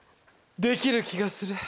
できる気がする。